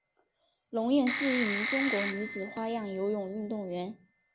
龙艳是一名中国女子花样游泳运动员。